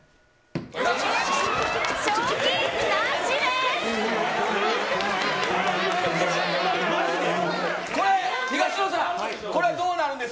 賞金なしです。